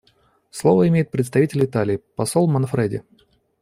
Слово имеет представитель Италии посол Манфреди.